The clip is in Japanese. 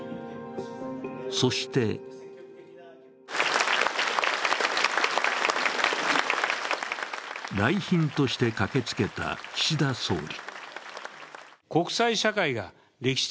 そして来賓として駆けつけた岸田総理。